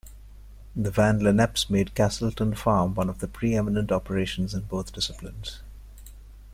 The Van Lenneps made Castleton Farm one of the preeminent operations in both disciplines.